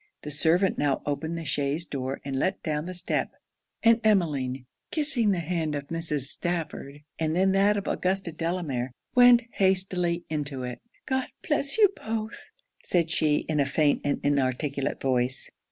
The servant now opened the chaise door and let down the step; and Emmeline kissing the hand of Mrs. Stafford, and then that of Augusta Delamere, went hastily into it 'God bless you both!' said she, in a faint and inarticulate voice.